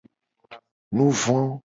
Nuvo.